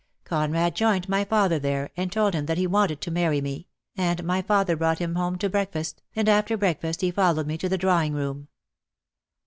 Conrad joined my father there, and told him that he wanted to marry me, and my father brought him home to breakfast, and after breakfast he followed me to the drawing room.